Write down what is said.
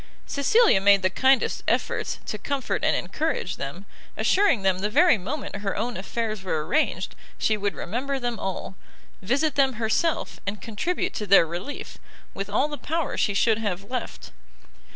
Cecilia made the kindest efforts, to comfort and encourage them, assuring them the very moment her own affairs were arranged, she would remember them all, visit them herself, and contribute to their relief, with all the power she should have left.